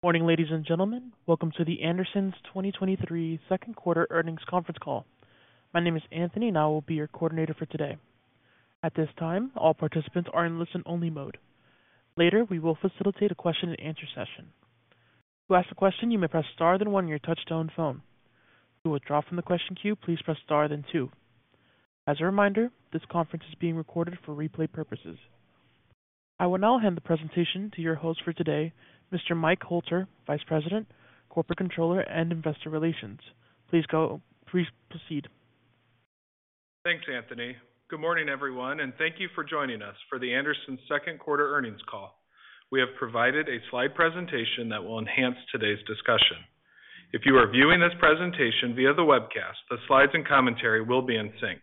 Good morning, ladies and gentlemen. Welcome to The Andersons' 2023 Q2 earnings conference call. My name is Anthony, and I will be your coordinator for today. At this time, all participants are in listen-only mode. Later, we will facilitate a question-and-answer session. To ask a question, you may press star then one on your touchtone phone. To withdraw from the question queue, please press star then two. As a reminder, this conference is being recorded for replay purposes. I will now hand the presentation to your host for today, Mr. Mike Hoelter, Vice President, Corporate Controller, and Investor Relations. Please proceed. Thanks, Anthony. Good morning, everyone, and thank you for joining us for The Andersons' Q2 earnings call. We have provided a slide presentation that will enhance today's discussion. If you are viewing this presentation via the webcast, the slides and commentary will be in sync.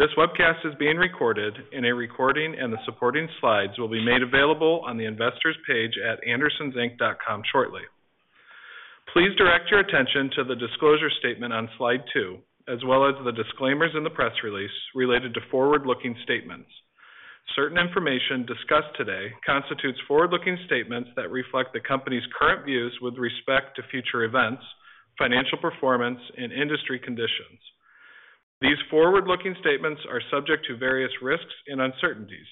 This webcast is being recorded, a recording and the supporting slides will be made available on the Investors page at andersonsinc.com shortly. Please direct your attention to the disclosure statement on slide 2, as well as the disclaimers in the press release related to forward-looking statements. Certain information discussed today constitutes forward-looking statements that reflect the company's current views with respect to future events, financial performance, and industry conditions. These forward-looking statements are subject to various risks and uncertainties.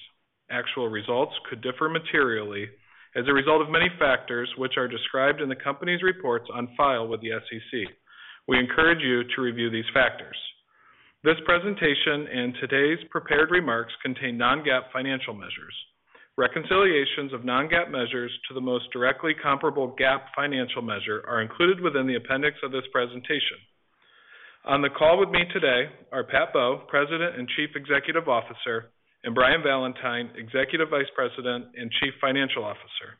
Actual results could differ materially as a result of many factors, which are described in the company's reports on file with the SEC. We encourage you to review these factors. This presentation and today's prepared remarks contain non-GAAP financial measures. Reconciliations of non-GAAP measures to the most directly comparable GAAP financial measure are included within the appendix of this presentation. On the call with me today are Pat Bowe, President and Chief Executive Officer, and Brian Valentine, Executive Vice President and Chief Financial Officer.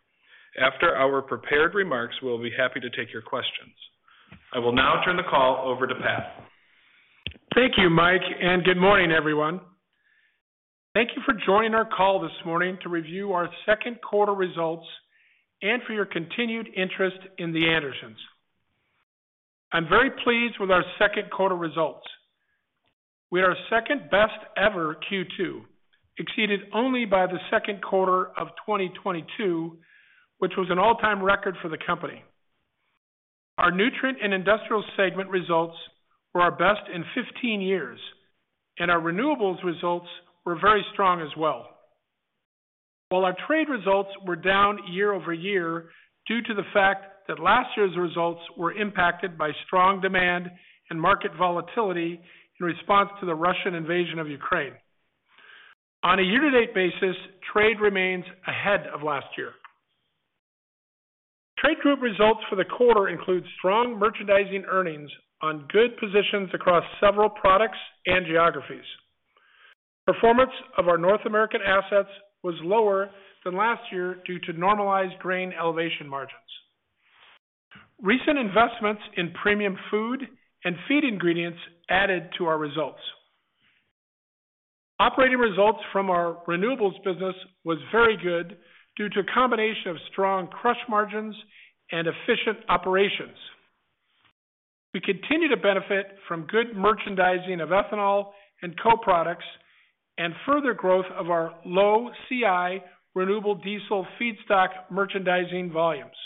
After our prepared remarks, we'll be happy to take your questions. I will now turn the call over to Pat. Thank you, Mike, and good morning, everyone. Thank you for joining our call this morning to review our Q2 results and for your continued interest in The Andersons. I'm very pleased with our Q2 results. We had our second best ever Q2, exceeded only by the Q2 of 2022, which was an all-time record for the company. Our nutrient and industrial segment results were our best in 15 years, and our renewables results were very strong as well. While our trade results were down year-over-year, due to the fact that last year's results were impacted by strong demand and market volatility in response to the Russian invasion of Ukraine. On a year-to-date basis, trade remains ahead of last year. Trade group results for the quarter include strong merchandising earnings on good positions across several products and geographies. Performance of our North American assets was lower than last year due to normalized grain elevation margins. Recent investments in premium food and feed ingredients added to our results. Operating results from our renewables business was very good due to a combination of strong crush margins and efficient operations. We continue to benefit from good merchandising of ethanol and co-products and further growth of our low CI renewable diesel feedstock merchandising volumes.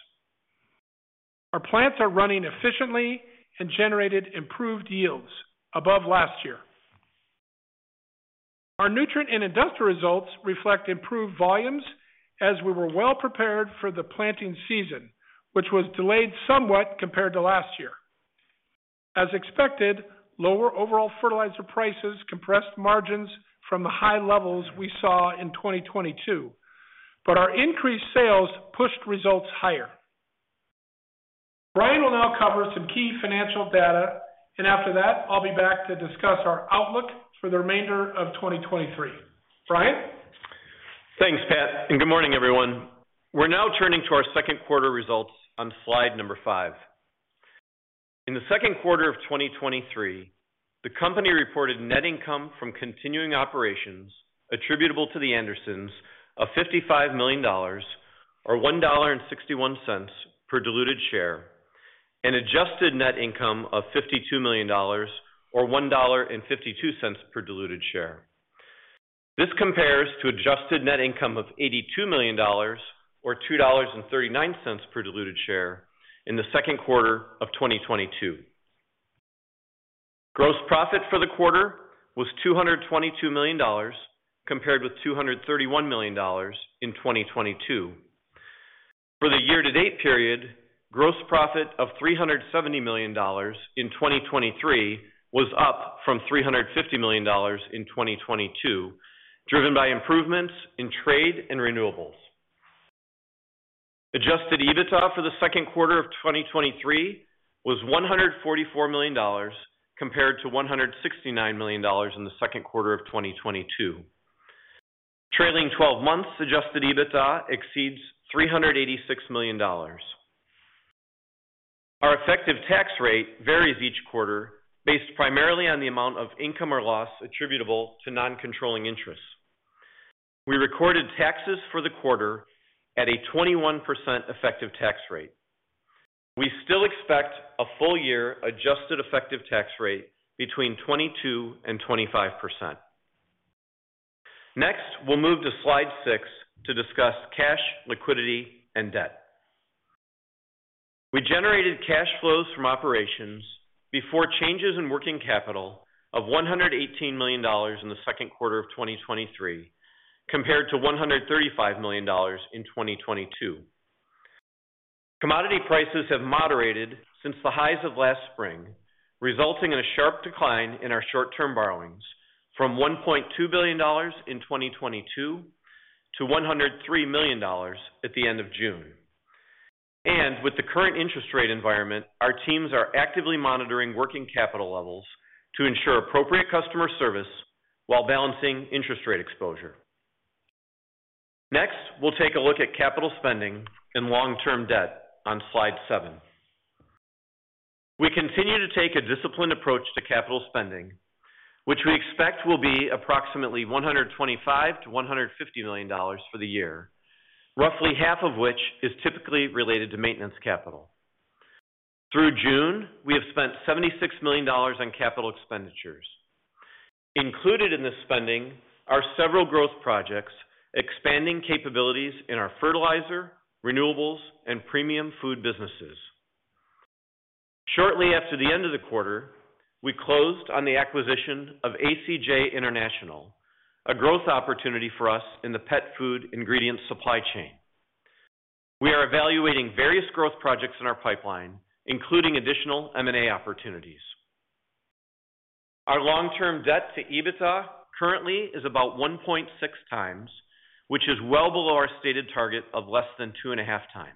Our plants are running efficiently and generated improved yields above last year. Our nutrient and industrial results reflect improved volumes as we were well prepared for the planting season, which was delayed somewhat compared to last year. As expected, lower overall fertilizer prices compressed margins from the high levels we saw in 2022, but our increased sales pushed results higher. Brian will now cover some key financial data, and after that, I'll be back to discuss our outlook for the remainder of 2023. Brian? Thanks, Pat. Good morning, everyone. We're now turning to our Q2 results on slide 5. In the Q2 of 2023, the company reported net income from continuing operations attributable to The Andersons of $55 million or $1.61 per diluted share, and adjusted net income of $52 million or $1.52 per diluted share. This compares to adjusted net income of $82 million or $2.39 per diluted share in the Q2 of 2022. Gross profit for the quarter was $222 million, compared with $231 million in 2022. For the year-to-date period, gross profit of $370 million in 2023 was up from $350 million in 2022, driven by improvements in trade and renewables. Adjusted EBITDA for the Q2 of 2023 was $144 million, compared to $169 million in the Q2 of 2022. Trailing 12 months adjusted EBITDA exceeds $386 million. Our effective tax rate varies each quarter, based primarily on the amount of income or loss attributable to non-controlling interests. We recorded taxes for the quarter at a 21% effective tax rate. We still expect a full-year adjusted effective tax rate between 22% and 25%. Next, we'll move to slide 6 to discuss cash, liquidity, and debt. We generated cash flows from operations before changes in working capital of $118 million in the Q2 of 2023, compared to $135 million in 2022. Commodity prices have moderated since the highs of last spring, resulting in a sharp decline in our short-term borrowings from $1.2 billion in 2022 to $103 million at the end of June. With the current interest rate environment, our teams are actively monitoring working capital levels to ensure appropriate customer service while balancing interest rate exposure. Next, we'll take a look at capital spending and long-term debt on slide 7. We continue to take a disciplined approach to capital spending, which we expect will be approximately $125 million-$150 million for the year, roughly half of which is typically related to maintenance capital. Through June, we have spent $76 million on capital expenditures. Included in this spending are several growth projects, expanding capabilities in our fertilizer, renewables, and premium food businesses. Shortly after the end of the quarter, we closed on the acquisition of ACJ International, a growth opportunity for us in the pet food ingredient supply chain. We are evaluating various growth projects in our pipeline, including additional M&A opportunities. Our long-term debt to EBITDA currently is about 1.6 times, which is well below our stated target of less than 2.5 times.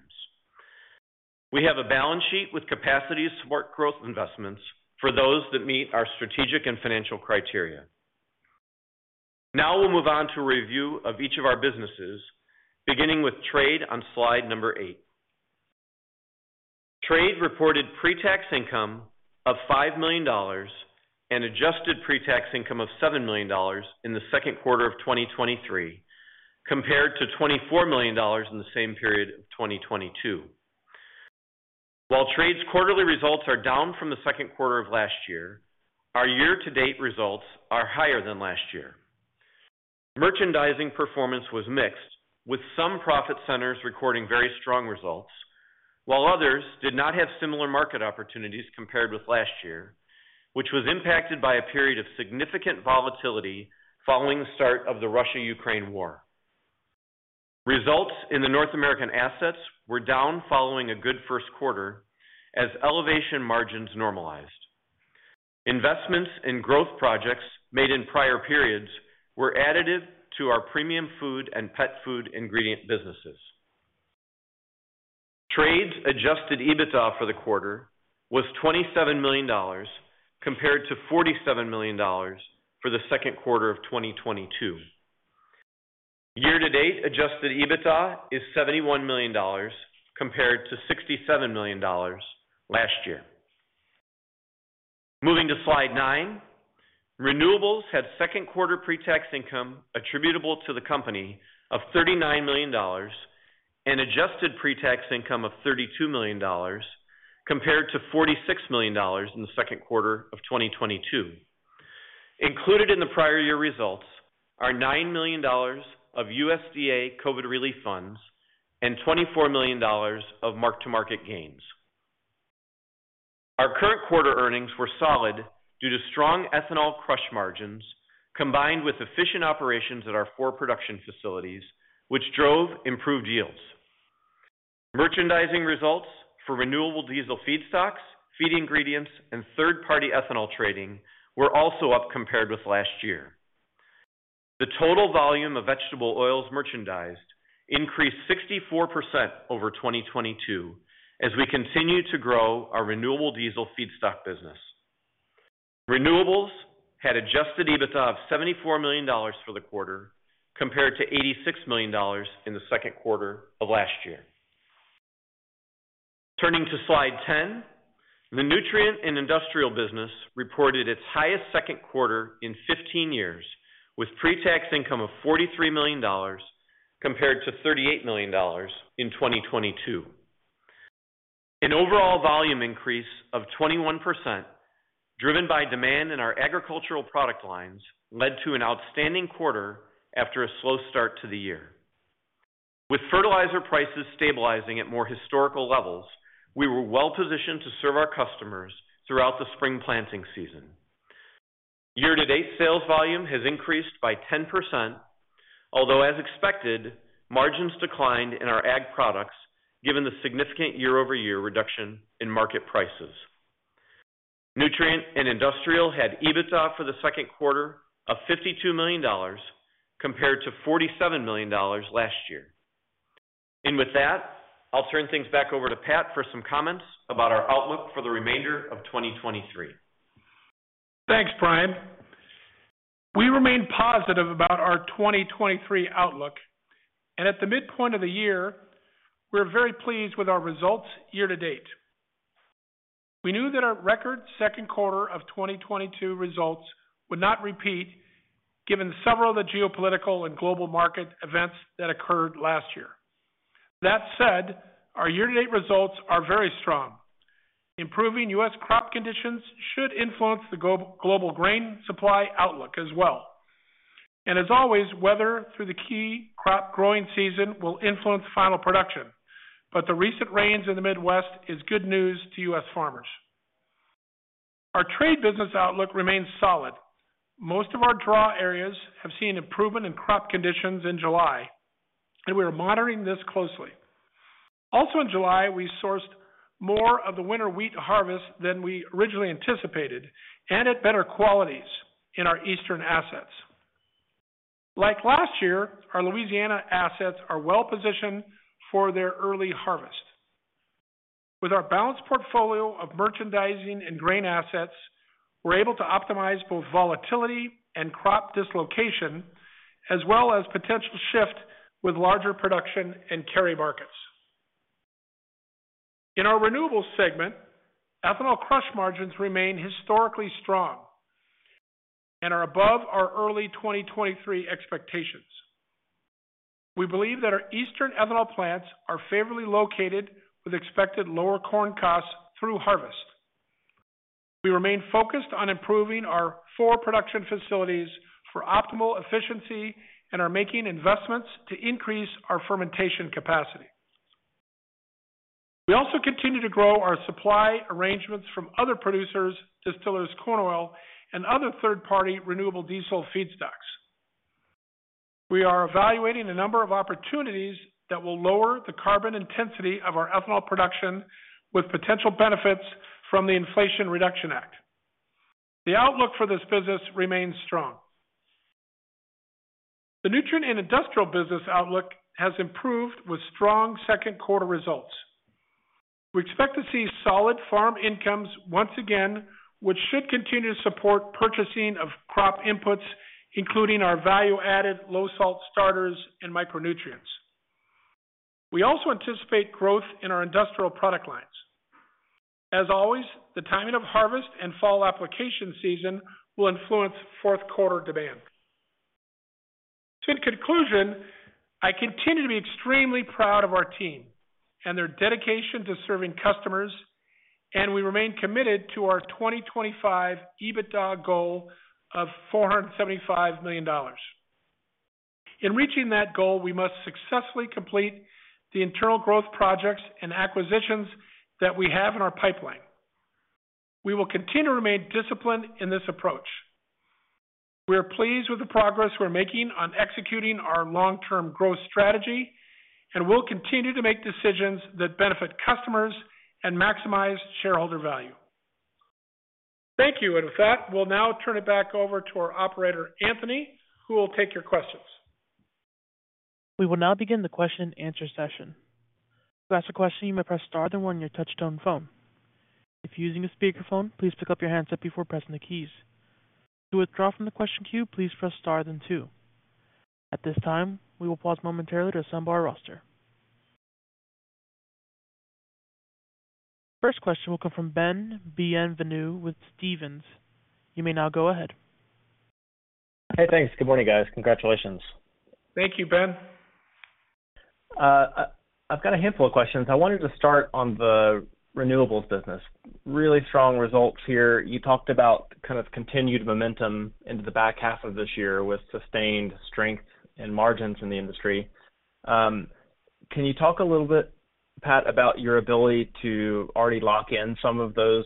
We have a balance sheet with capacity to support growth investments for those that meet our strategic and financial criteria. Now we'll move on to a review of each of our businesses, beginning with Trade on slide number 8. Trade reported pre-tax income of $5 million and adjusted pre-tax income of $7 million in the Q2 of 2023, compared to $24 million in the same period of 2022. While Trade's quarterly results are down from the Q2 of last year, our year-to-date results are higher than last year. Merchandising performance was mixed, with some profit centers recording very strong results, while others did not have similar market opportunities compared with last year, which was impacted by a period of significant volatility following the start of the Russia-Ukraine War. Results in the North American assets were down following a good first quarter as elevation margins normalized. Investments in growth projects made in prior periods were additive to our premium food and pet food ingredient businesses. Trade's adjusted EBITDA for the quarter was $27 million, compared to $47 million for the Q2 of 2022. Year-to-date adjusted EBITDA is $71 million, compared to $67 million last year. Moving to slide 9. Renewables had Q2 pre-tax income attributable to the company of $39 million and adjusted pre-tax income of $32 million, compared to $46 million in the Q2 of 2022. Included in the prior year results are $9 million of USDA COVID relief funds and $24 million of mark-to-market gains. Our current quarter earnings were solid due to strong ethanol crush margins, combined with efficient operations at our four production facilities, which drove improved yields. Merchandising results for renewable diesel feedstocks, feed ingredients, and third-party ethanol trading were also up compared with last year. The total volume of vegetable oils merchandised increased 64% over 2022 as we continue to grow our renewable diesel feedstock business. Renewables had adjusted EBITDA of $74 million for the quarter, compared to $86 million in the Q2 of last year. Turning to slide 10, the Nutrient and Industrial business reported its highest Q2 in 15 years, with pre-tax income of $43 million compared to $38 million in 2022. An overall volume increase of 21%, driven by demand in our agricultural product lines, led to an outstanding quarter after a slow start to the year. With fertilizer prices stabilizing at more historical levels, we were well positioned to serve our customers throughout the spring planting season. Year-to-date sales volume has increased by 10%, although as expected, margins declined in our egg products given the significant year-over-year reduction in market prices. Nutrient and Industrial had EBITDA for the Q2 of $52 million, compared to $47 million last year. With that, I'll turn things back over to Pat for some comments about our outlook for the remainder of 2023. Thanks, Brian. We remain positive about our 2023 outlook. At the midpoint of the year, we're very pleased with our results year to date. We knew that our record Q2 of 2022 results would not repeat, given several of the geopolitical and global market events that occurred last year. That said, our year-to-date results are very strong. Improving US crop conditions should influence the global grain supply outlook as well. As always, weather through the key crop growing season will influence final production, but the recent rains in the Midwest is good news to US farmers. Our trade business outlook remains solid. Most of our draw areas have seen improvement in crop conditions in July. We are monitoring this closely. Also in July, we sourced more of the winter wheat harvest than we originally anticipated. At better qualities in our eastern assets. Like last year, our Louisiana assets are well positioned for their early harvest. With our balanced portfolio of merchandising and grain assets, we're able to optimize both volatility and crop dislocation, as well as potential shift with larger production and carry markets. In our renewables segment, ethanol crush margins remain historically strong and are above our early 2023 expectations. We believe that our eastern ethanol plants are favorably located, with expected lower corn costs through harvest. We remain focused on improving our four production facilities for optimal efficiency and are making investments to increase our fermentation capacity. We also continue to grow our supply arrangements from other producers, distillers, corn oil, and other third-party renewable diesel feedstocks. We are evaluating a number of opportunities that will lower the carbon intensity of our ethanol production, with potential benefits from the Inflation Reduction Act. The outlook for this business remains strong. The nutrient and industrial business outlook has improved with strong Q2 results. We expect to see solid farm incomes once again, which should continue to support purchasing of crop inputs, including our value-added low-salt starters and micronutrients. We also anticipate growth in our industrial product lines. As always, the timing of harvest and fall application season will influence Q4 demand. In conclusion, I continue to be extremely proud of our team and their dedication to serving customers, and we remain committed to our 2025 EBITDA goal of $475 million. In reaching that goal, we must successfully complete the internal growth projects and acquisitions that we have in our pipeline. We will continue to remain disciplined in this approach. We are pleased with the progress we're making on executing our long-term growth strategy, and we'll continue to make decisions that benefit customers and maximize shareholder value. Thank you. With that, we'll now turn it back over to our operator, Anthony, who will take your questions. We will now begin the question-and-answer session. To ask a question, you may press star, then 1 your touchtone phone. If you're using a speakerphone, please pick up your handset before pressing the keys. To withdraw from the question queue, please press star then 2. At this time, we will pause momentarily to assemble our roster. First question will come from Ben Bienvenu with Stephens. You may now go ahead. Hey, thanks. Good morning, guys. Congratulations. Thank you, Ben. I've got a handful of questions. I wanted to start on the renewables business. Really strong results here. You talked about kind of continued momentum into the back half of this year with sustained strength and margins in the industry. Can you talk a little bit, Pat, about your ability to already lock in some of those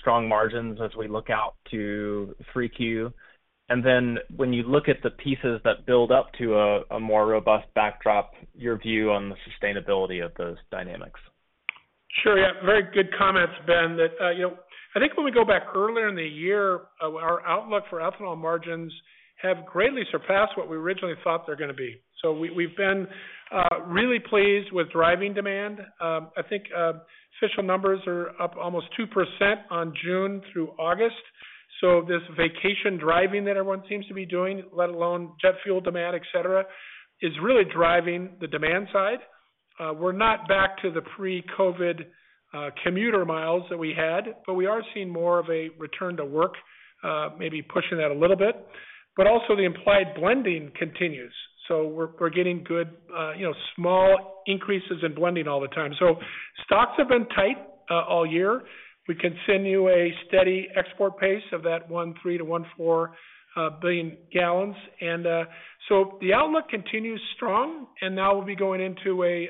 strong margins as we look out to 3Q? When you look at the pieces that build up to a more robust backdrop, your view on the sustainability of those dynamics? Sure. Yeah, very good comments, Ben. That, you know, I think when we go back earlier in the year, our outlook for ethanol margins have greatly surpassed what we originally thought they're gonna be. We, we've been really pleased with driving demand. I think official numbers are up almost 2% on June through August. This vacation driving that everyone seems to be doing, let alone jet fuel demand, et cetera, is really driving the demand side. We're not back to the pre-COVID commuter miles that we had, but we are seeing more of a return to work, maybe pushing that a little bit. Also the implied blending continues, so we're, we're getting good, you know, small increases in blending all the time. Stocks have been tight all year. We continue a steady export pace of that 1.3 billion-1.4 billion gallons. So the outlook continues strong, and now we'll be going into a,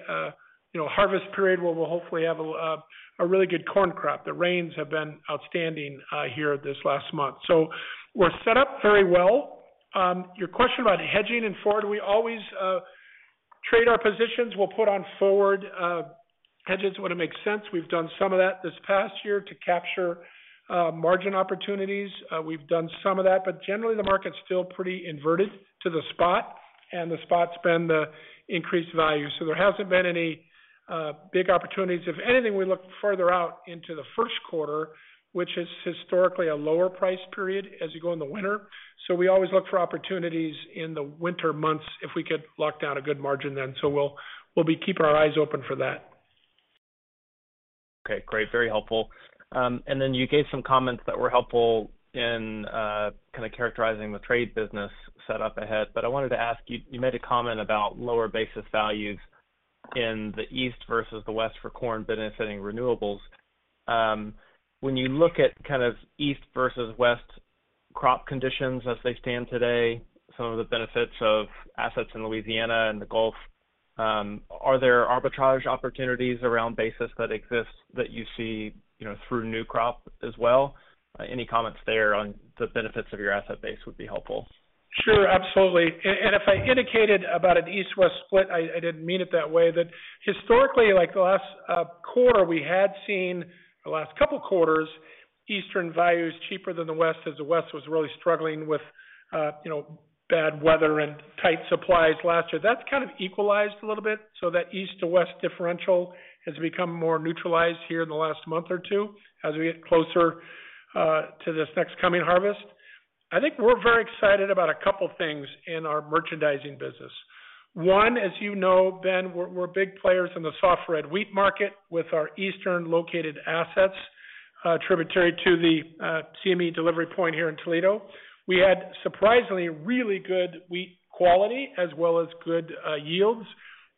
you know, harvest period, where we'll hopefully have a really good corn crop. The rains have been outstanding here this last month, so we're set up very well. Your question about hedging and forward, we always trade our positions. We'll put on forward hedges when it makes sense. We've done some of that this past year to capture margin opportunities. We've done some of that, but generally, the market's still pretty inverted to the spot, and the spot's been the increased value, so there hasn't been any big opportunities. If anything, we look further out into the Q1, which is historically a lower price period as you go in the winter. We always look for opportunities in the winter months if we could lock down a good margin then. We'll, we'll be keeping our eyes open for that. Okay, great. Very helpful. Then you gave some comments that were helpful in kind of characterizing the trade business set up ahead. I wanted to ask you, you made a comment about lower basis values in the east versus the west for corn benefiting renewables. When you look at kind of east versus west crop conditions as they stand today, some of the benefits of assets in Louisiana and the Gulf. Are there arbitrage opportunities around basis that exist that you see, you know, through new crop as well? Any comments there on the benefits of your asset base would be helpful. Sure, absolutely. If I indicated about an East-West split, I, I didn't mean it that way. That historically, like the last quarter, the last couple quarters, Eastern values cheaper than the West, as the West was really struggling with, you know, bad weather and tight supplies last year. That's kind of equalized a little bit, so that East to West differential has become more neutralized here in the last month or two as we get closer to this next coming harvest. I think we're very excited about a couple things in our merchandising business. One, as you know, Ben, we're, we're big players in the soft red wheat market with our Eastern-located assets, tributary to the CME delivery point here in Toledo. We had surprisingly, really good wheat quality as well as good yields.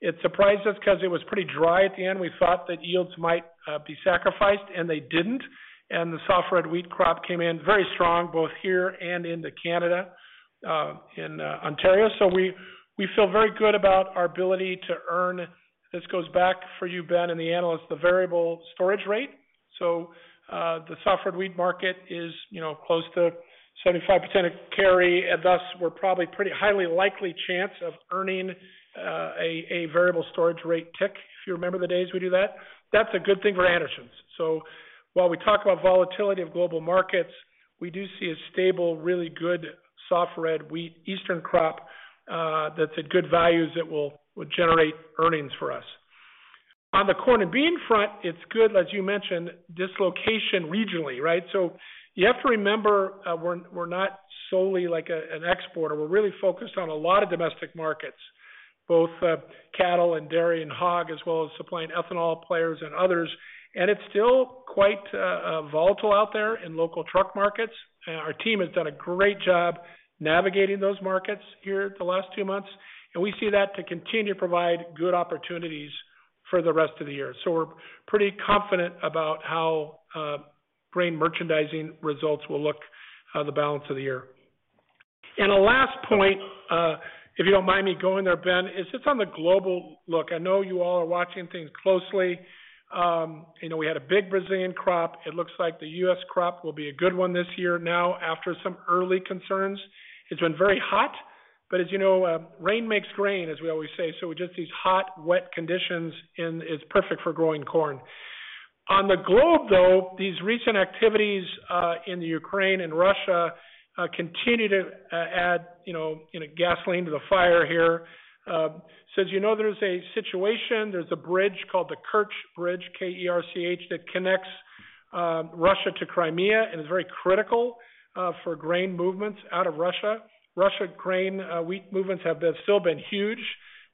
It surprised us because it was pretty dry at the end. We thought that yields might be sacrificed, and they didn't. The soft red wheat crop came in very strong, both here and into Canada, in Ontario. We, we feel very good about our ability to earn. This goes back for you, Ben, and the analysts, the Variable Storage Rate. The soft red wheat market is, you know, close to 75% of carry, and thus, we're probably pretty highly likely chance of earning a Variable Storage Rate tick, if you remember the days we do that. That's a good thing for Andersons. While we talk about volatility of global markets, we do see a stable, really good soft red wheat Eastern crop, that's at good values that will, will generate earnings for us. On the corn and bean front, it's good, as you mentioned, dislocation regionally, right? You have to remember, we're not solely like a, an exporter. We're really focused on a lot of domestic markets, both, cattle and dairy and hog, as well as supplying ethanol players and others. It's still quite volatile out there in local truck markets. Our team has done a great job navigating those markets here the last 2 months, and we see that to continue to provide good opportunities for the rest of the year. We're pretty confident about how grain merchandising results will look the balance of the year. A last point, if you don't mind me going there, Ben, is just on the global look. I know you all are watching things closely. You know, we had a big Brazilian crop. It looks like the U.S. crop will be a good one this year now, after some early concerns. It's been very hot, but as you know, rain makes grain, as we always say, so with just these hot, wet conditions and it's perfect for growing corn. On the globe, though, these recent activities in Ukraine and Russia continue to add, you know, gasoline to the fire here. As you know, there's a situation, there's a bridge called the Kerch Bridge, K-E-R-C-H, that connects Russia to Crimea, and is very critical for grain movements out of Russia. Russia grain, wheat movements have been still been huge,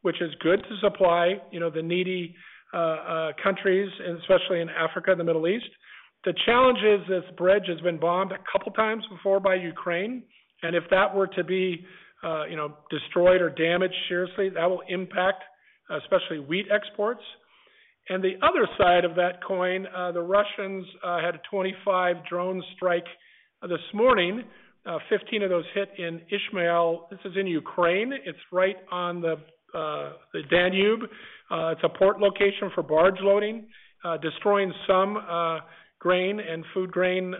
which is good to supply, you know, the needy countries, and especially in Africa and the Middle East. The challenge is, this bridge has been bombed a couple times before by Ukraine. If that were to be, you know, destroyed or damaged seriously, that will impact, especially wheat exports. The other side of that coin, the Russians had a 25 drone strike this morning, 15 of those hit in Izmail. This is in Ukraine. It's right on the Danube. It's a port location for barge loading, destroying some grain and food grain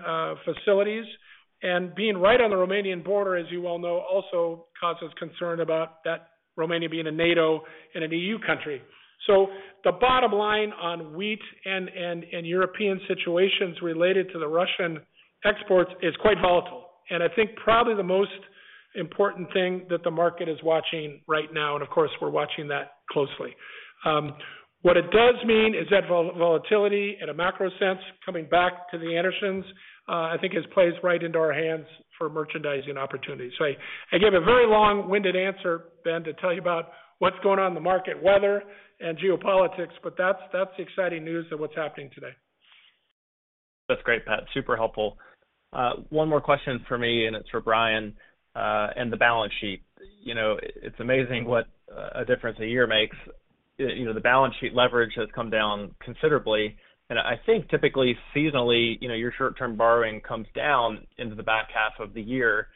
facilities. Being right on the Romanian border, as you well know, also causes concern about that Romania being a NATO and an EU country. The bottom line on wheat and, and, and European situations related to the Russian exports is quite volatile, and I think probably the most important thing that the market is watching right now, and of course, we're watching that closely. What it does mean is that volatility in a macro sense, coming back to The Andersons', I think it plays right into our hands for merchandising opportunities. I gave a very long-winded answer, Ben, to tell you about what's going on in the market, weather and geopolitics, but that's, that's the exciting news of what's happening today. That's great, Pat. Super helpful. One more question for me, and it's for Brian, and the balance sheet. You know, it's amazing what a difference a year makes. You know, the balance sheet leverage has come down considerably, and I think typically, seasonally, you know, your short-term borrowing comes down into the back half of the year,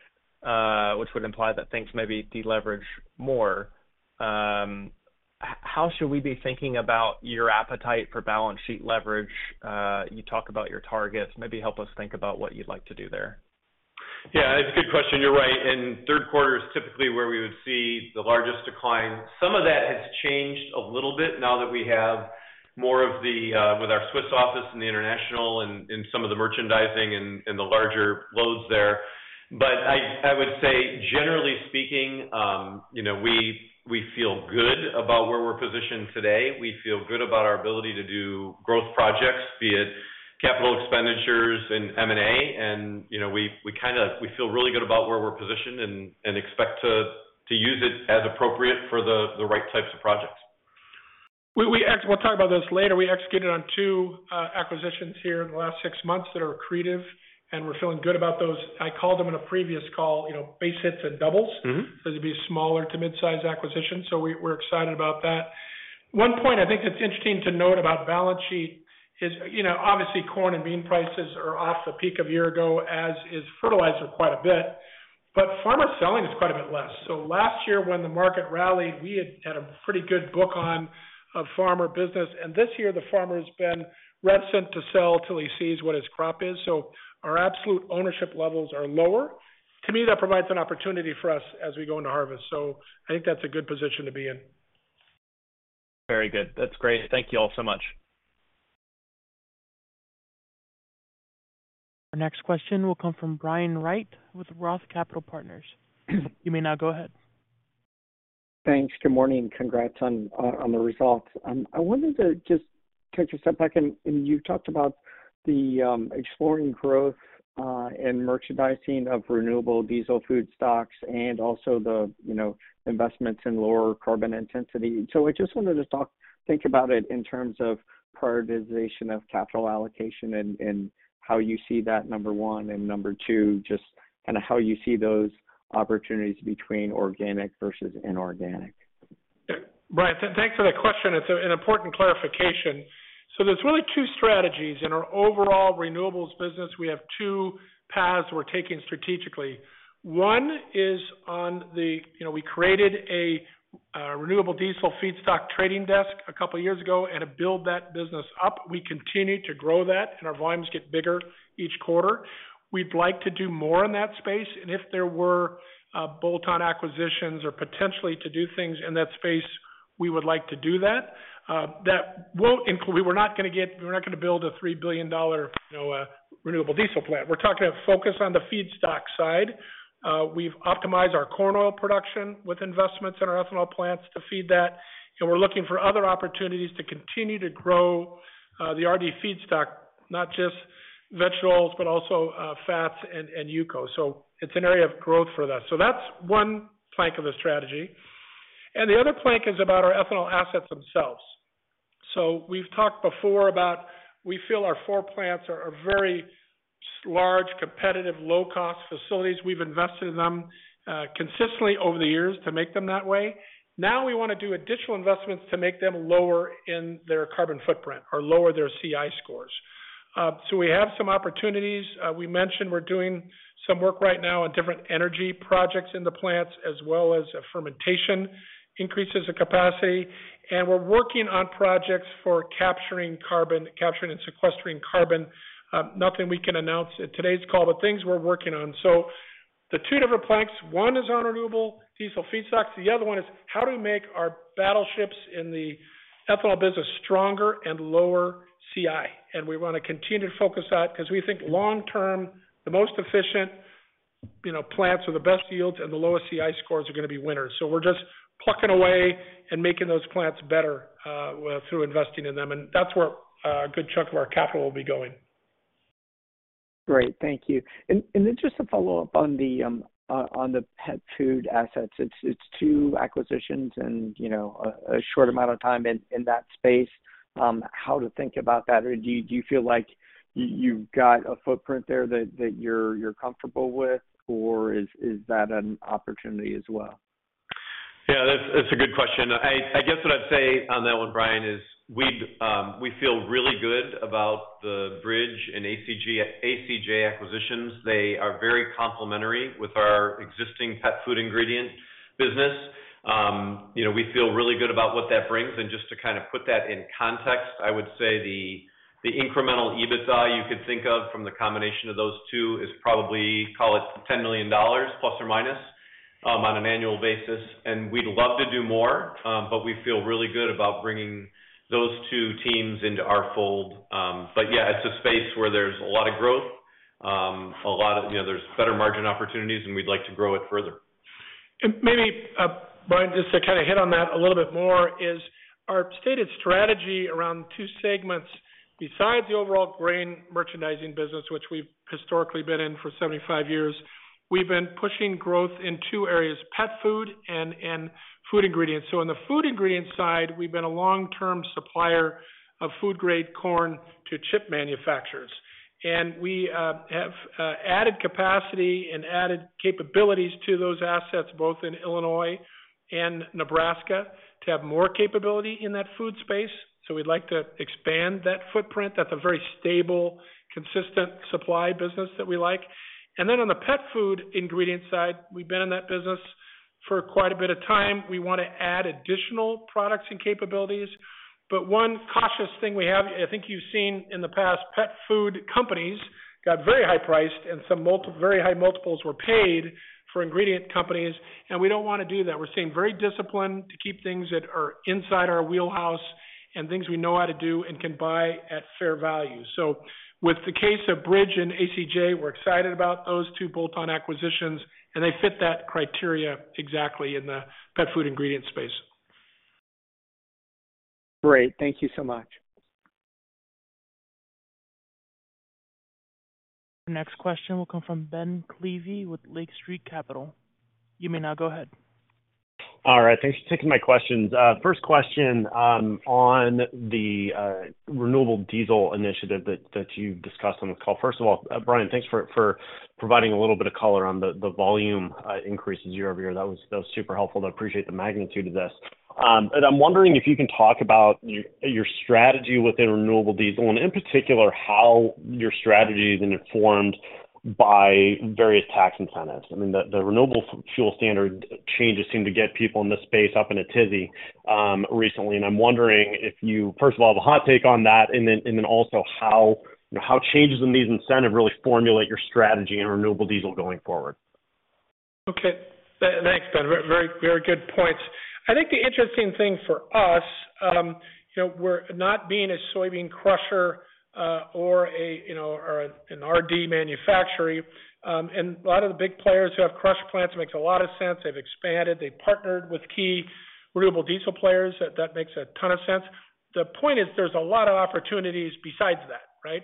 which would imply that things maybe deleverage more. How should we be thinking about your appetite for balance sheet leverage? You talk about your targets, maybe help us think about what you'd like to do there. Yeah, it's a good question. You're right. In Q3 is typically where we would see the largest decline. Some of that has changed a little bit now that we have more of the with our Swiss office and the international and, and some of the merchandising and, and the larger loads there. I, I would say, generally speaking, you know, we, we feel good about where we're positioned today. We feel good about our ability to do growth projects, be it capital expenditures and M&A, and, you know, we, we feel really good about where we're positioned and, and expect to, to use it as appropriate for the, the right types of projects. We'll talk about this later. We executed on 2 acquisitions here in the last six months that are accretive, and we're feeling good about those. I called them in a previous call, you know, base hits and doubles. Mm-hmm. It'd be smaller to mid-size acquisitions. We, we're excited about that. 1 point I think that's interesting to note about balance sheet is, you know, obviously, corn and bean prices are off the peak of 1 year ago, as is fertilizer quite a bit, but farmer selling is quite a bit less. Last year when the market rallied, we had had a pretty good book on, of farmer business, and this year the farmer's been reticent to sell till he sees what his crop is. Our absolute ownership levels are lower. To me, that provides an opportunity for us as we go into harvest, so I think that's a good position to be in. Very good. That's great. Thank you all so much. Our next question will come from Brian Wright with Roth Capital Partners. You may now go ahead. Thanks. Good morning. Congrats on on the results. I wanted to just take a step back and, and you talked about the exploring growth and merchandising of renewable diesel feedstocks and also the, you know, investments in lower carbon intensity. I just wanted to think about it in terms of prioritization of capital allocation and, and how you see that, number one, and number two, just kind of how you see those opportunities between organic versus inorganic. Yeah. Brian, thanks for that question. It's an important clarification. There's really 2 strategies. In our overall renewables business, we have 2 paths we're taking strategically. One is on the... You know, we created a renewable diesel feedstock trading desk 2 years ago and to build that business up. We continue to grow that, our volumes get bigger each quarter. We'd like to do more in that space, if there were bolt-on acquisitions or potentially to do things in that space, we would like to do that. That won't include we're not gonna get we're not gonna build a $3 billion, you know, renewable diesel plant. We're talking about focus on the feedstock side. We've optimized our corn oil production with investments in our ethanol plants to feed that, and we're looking for other opportunities to continue to grow the RD feedstock, not just vegetables, but also fats and UCO. It's an area of growth for that. That's one plank of the strategy. The other plank is about our ethanol assets themselves. We've talked before about, we feel our four plants are very large, competitive, low-cost facilities. We've invested in them consistently over the years to make them that way. Now we wanna do additional investments to make them lower in their carbon footprint or lower their CI scores. We have some opportunities. We mentioned we're doing some work right now on different energy projects in the plants, as well as fermentation increases the capacity, and we're working on projects for capturing and sequestering carbon. Nothing we can announce at today's call, but things we're working on. The two different planks, one is on renewable diesel feedstocks, the other one is how do we make our battleships in the ethanol business stronger and lower CI? We wanna continue to focus on that because we think long term, the most efficient, you know, plants with the best yields and the lowest CI scores are gonna be winners. We're just plucking away and making those plants better, through investing in them, and that's where a good chunk of our capital will be going. Great. Thank you. And just to follow up on the pet food assets, it's, it's two acquisitions and, you know, a, a short amount of time in, in that space. How to think about that? Do you, do you feel like you, you've got a footprint there that, that you're, you're comfortable with, or is, is that an opportunity as well? Yeah, that's, that's a good question. I, I guess what I'd say on that one, Brian, is we'd, we feel really good about the Bridge and ACJ acquisitions. They are very complementary with our existing pet food ingredient business. You know, we feel really good about what that brings. Just to kind of put that in context, I would say the, the incremental EBITDA you could think of from the combination of those two is probably, call it $10 million, plus or minus, on an annual basis. We'd love to do more, but we feel really good about bringing those two teams into our fold. Yeah, it's a space where there's a lot of growth. You know, there's better margin opportunities, and we'd like to grow it further. Maybe, Brian, just to kind of hit on that a little bit more, is our stated strategy around two segments besides the overall grain merchandising business, which we've historically been in for 75 years. We've been pushing growth in two areas, pet food and, and food ingredients. In the food ingredients side, we've been a long-term supplier of food-grade corn to chip manufacturers, and we have added capacity and added capabilities to those assets, both in Illinois and Nebraska, to have more capability in that food space. We'd like to expand that footprint. That's a very stable, consistent supply business that we like. Then on the pet food ingredient side, we've been in that business for quite a bit of time. We want to add additional products and capabilities. One cautious thing we have, I think you've seen in the past, pet food companies got very high priced and some very high multiples were paid for ingredient companies. We don't wanna do that. We're staying very disciplined to keep things that are inside our wheelhouse and things we know how to do and can buy at fair value. With the case of Bridge and ACJ, we're excited about those two bolt-on acquisitions. They fit that criteria exactly in the pet food ingredient space. Great. Thank you so much. The next question will come from Ben Klieve with Lake Street Capital. You may now go ahead. All right, thanks for taking my questions. First question, on the renewable diesel initiative that, that you discussed on the call. First of all, Brian, thanks for, for providing a little bit of color on the volume increases year-over-year. That was, that was super helpful, and I appreciate the magnitude of this. I'm wondering if you can talk about your, your strategy within renewable diesel and, in particular, how your strategy is informed by various tax incentives. I mean, the Renewable Fuel Standard changes seem to get people in this space up in a tizzy, recently, and I'm wondering if you, first of all, have a hot take on that, and then, and then also how, you know, how changes in these incentives really formulate your strategy in renewable diesel going forward. Okay. Thanks, Ben. Very, very good points. I think the interesting thing for us, you know, we're not being a soybean crusher, or a, you know, or an RD manufacturer. A lot of the big players who have crush plants, it makes a lot of sense. They've expanded, they've partnered with key renewable diesel players. That, that makes a ton of sense. The point is, there's a lot of opportunities besides that, right?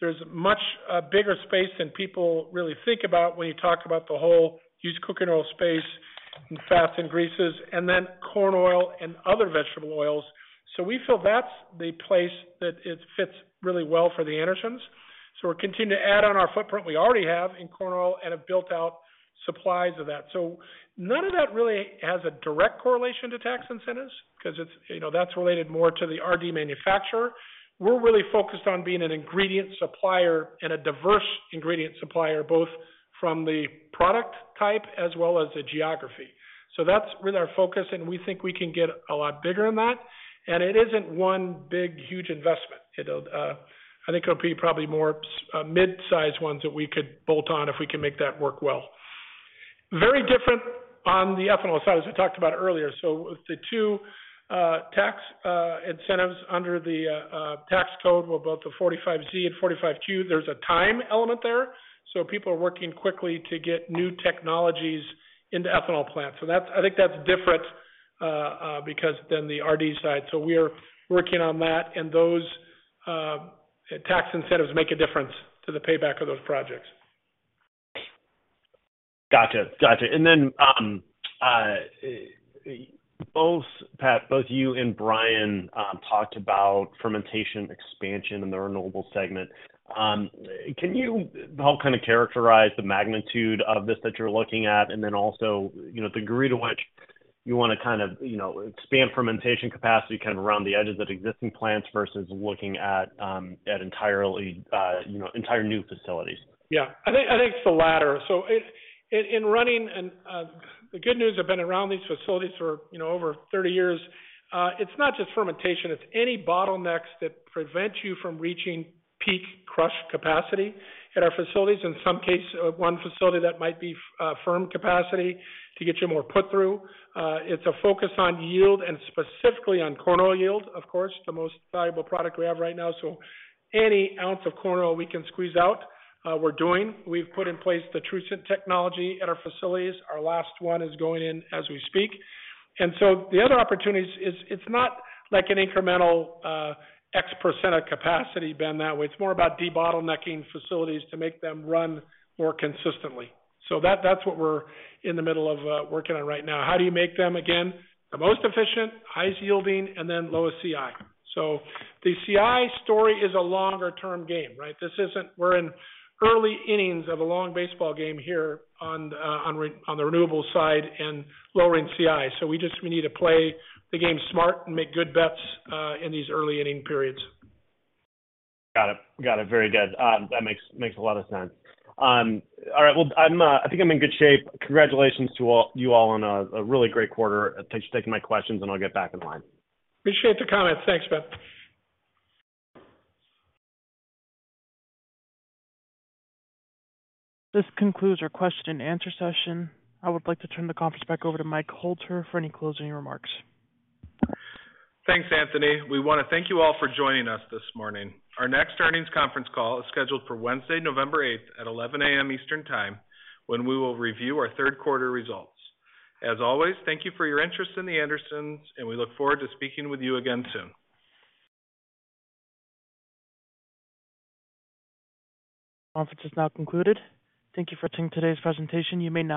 There's much bigger space than people really think about when you talk about the whole used cooking oil space and fats and greases, and then corn oil and other vegetable oils. We feel that's the place that it fits really well for The Andersons. We're continuing to add on our footprint we already have in corn oil and have built out supplies of that. None of that really has a direct correlation to tax incentives, 'cause it's, you know, that's related more to the RD manufacturer. We're really focused on being an ingredient supplier and a diverse ingredient supplier, both from the product type as well as the geography. That's really our focus, and we think we can get a lot bigger in that. It isn't one big, huge investment. It'll, I think it'll be probably more mid-sized ones that we could bolt on if we can make that work well. Very different on the ethanol side, as we talked about earlier. The two tax incentives under the tax code were both the 45Z and 45Q. There's a time element there, so people are working quickly to get new technologies into ethanol plants. I think that's different, because then the RD side. We are working on that, and those tax incentives make a difference to the payback of those projects. Gotcha. Gotcha. Then, both, Pat, both you and Brian talked about fermentation expansion in the renewable segment. Can you help kind of characterize the magnitude of this that you're looking at? Then also, you know, the degree to which you wanna kind of, you know, expand fermentation capacity kind of around the edges of existing plants versus looking at, at entirely, you know, entire new facilities. Yeah, I think, I think it's the latter. In, in running and, the good news, I've been around these facilities for, you know, over 30 years. It's not just fermentation, it's any bottlenecks that prevent you from reaching peak crush capacity at our facilities. In some case, one facility that might be firm capacity to get you more put through. It's a focus on yield and specifically on corn oil yield, of course, the most valuable product we have right now. Any ounce of corn oil we can squeeze out, we're doing. We've put in place the Trucent technology at our facilities. Our last one is going in as we speak. The other opportunities is, it's not like an incremental, X% of capacity, Ben, that way. It's more about debottlenecking facilities to make them run more consistently. That, that's what we're in the middle of working on right now. How do you make them, again, the most efficient, highest yielding, and then lowest CI? The CI story is a longer-term game, right? This isn't. We're in early innings of a long baseball game here on the renewable side and lowering CI. We just, we need to play the game smart and make good bets in these early inning periods. Got it. Got it. Very good. That makes, makes a lot of sense. All right, well, I'm, I think I'm in good shape. Congratulations to you all on a really great quarter. Thanks for taking my questions, and I'll get back in line. Appreciate the comments. Thanks, Ben. This concludes our question and answer session. I would like to turn the conference back over to Michael Hoelter for any closing remarks. Thanks, Anthony. We want to thank you all for joining us this morning. Our next earnings conference call is scheduled for Wednesday, November eighth, at 11:00 A.M. Eastern Time, when we will review our Q3 results. As always, thank you for your interest in The Andersons, and we look forward to speaking with you again soon. Conference is now concluded. Thank you for attending today's presentation. You may now disconnect.